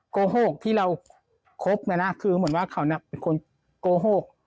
โกหกที่เราคบนะนะคือเหมือนว่าเขาเป็นคนโกหก